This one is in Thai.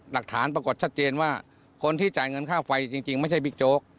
หลักฐานปรากฏชัดเจนว่าคนที่จ่ายเงินค่าไฟจริงไม่ใช่บิ๊กโจ๊ก